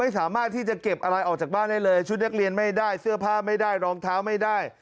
เสื้อผ้าไม่ได้รองเท้าไม่ได้